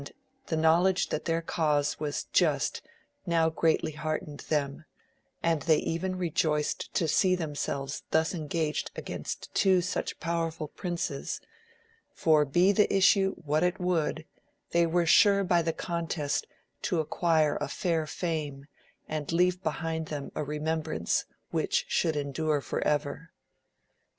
the knowledge that their cause was just now greatly heartened them, and they even rejoiced to see them selves thus engaged against two such powerful princes, for be the issue what it would, they were sure by the contest to acquire a fair fame and leave behind them a remembrance which should endure for ever.